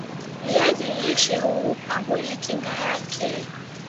viazi lishe huupa mwili kinga yake